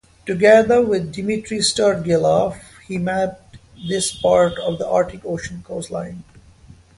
Together with Dmitry Sterlegov, he mapped this part of the Arctic Ocean coastline.